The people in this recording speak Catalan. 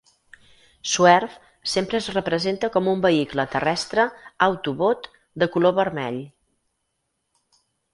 Swerve sempre es representa com un vehicle terrestre Autobot de color vermell.